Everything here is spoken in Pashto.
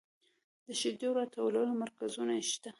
د شیدو راټولولو مرکزونه شته